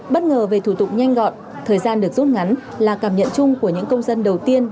bất ngờ về thủ tục nhanh gọn thời gian được rút ngắn là cảm nhận chung của những công dân đầu tiên